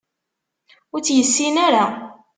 Ur tt-yessin ara